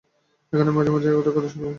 এখন আমি মাঝে-মাঝে ওদের কথা শুনতে পাই।